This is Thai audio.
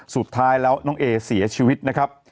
สุดท้ายแล้วน้องเอเสียชีวิตนะครับ